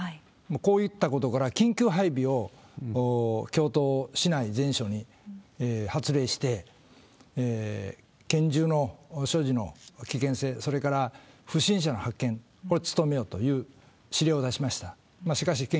こういったことから、緊急配備を京都市内全署に発令して、拳銃の所持の危険性、それから不審者の発見、これに努めよという指令を出しました。